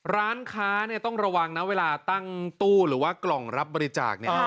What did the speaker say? ร้านค้าเนี่ยต้องระวังนะเวลาตั้งตู้หรือว่ากล่องรับบริจาคเนี่ย